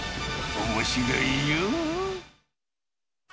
おもしろいよ。